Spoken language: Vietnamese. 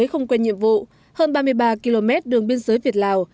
hơn ba mươi ba km đường biên giới việt lào